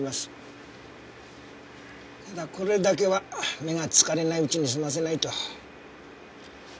ただこれだけは目が疲れないうちに済ませないと。